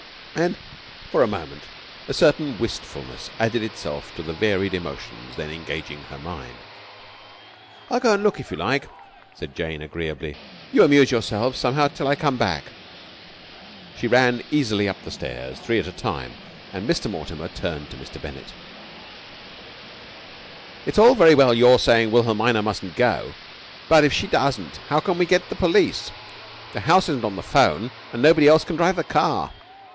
And for a moment a certain wistfulness added itself to the varied emotions then engaging her mind. "I'll go and look, if you like," said Jane agreeably. "You amuse yourselves somehow till I come back." She ran easily up the stairs, three at a time. Mr. Mortimer turned to Mr. Bennett. "It's all very well your saying Wilhelmina mustn't go, but, if she doesn't, how can we get the police? The house isn't on the 'phone, and nobody else can drive the car."